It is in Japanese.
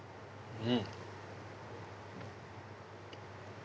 うん。